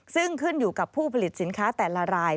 ซึ่งขึ้นอยู่กับผู้ผลิตสินค้าแต่ละราย